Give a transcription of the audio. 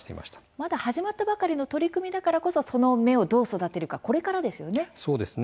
まだ始まったばかりの取り組みだからその芽をどう育てていくかこれからですよね。